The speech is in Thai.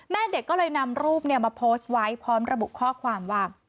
แม่เด็กก็เลยนำรูปมาโพสต์ไว้พร้อมระบุข้อความว่า